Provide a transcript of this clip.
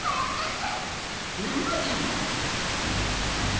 ラムちゃんが？